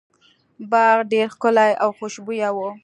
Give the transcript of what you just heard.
باغ ډیر ښکلی او خوشبويه و.